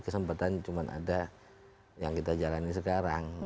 kesempatan cuma ada yang kita jalani sekarang